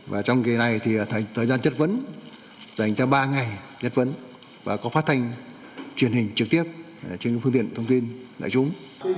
và trong kỳ này thì thời gian chất vấn dành cho ba ngày chất vấn và có phát thanh truyền hình trực tiếp trên phương tiện thông tin đại chúng